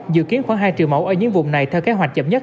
dự kiến khoảng hai triệu mẫu ở những vùng này theo kế hoạch chậm nhất